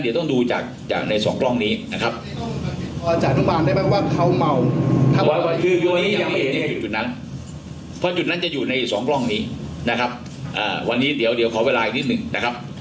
เพราะจุดนั้นจะอยู่ในสองกล้องนี้นะครับอ่าวันนี้เดี๋ยวเดี๋ยวขอเวลาอีกนิดหนึ่งนะครับ